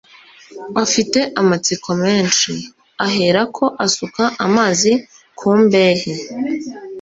bafite amatsiko menshi. «Aherako asuka amazi ku mbehe